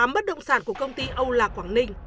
bất động sản của công ty âu lạc quảng ninh